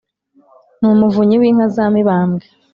ni umuvunyi w'inka za mibambwe